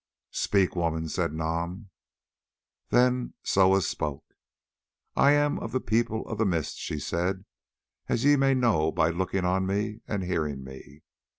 "Speak, woman," said Nam. Then Soa spoke. "I am of the People of the Mist," she said, "as ye may know by looking on me and hearing me.